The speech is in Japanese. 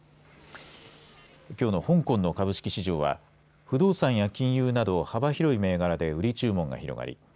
きょうの香港の株式市場は不動産や金融など幅広い銘柄で売り注文が広がり